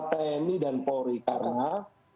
karena tni dan polri ini ada hal yang sangat berpengaruh